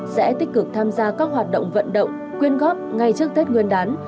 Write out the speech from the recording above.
sẽ tích cực tham gia các hoạt động vận động quyên góp ngay trước tết nguyên đán